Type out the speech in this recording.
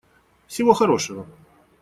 Всего хорошего.